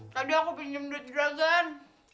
tadi aku pinjem duit juragan